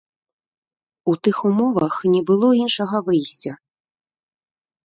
У тых умовах не было іншага выйсця.